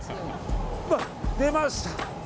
あ、出ました！